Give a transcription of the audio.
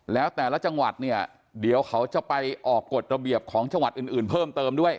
แล้วแต่ละจังหวัดเนี่ยเดี๋ยวเขาจะไปออกกฎระเบียบของจังหวัดอื่นเพิ่มเติมด้วย